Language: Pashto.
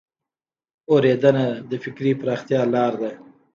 اورېدنه د فکري پراختیا لار ده